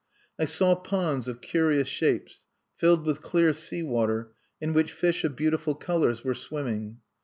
I saw ponds of curious shapes, filled with clear sea water, in which fish of beautiful colors were swimming.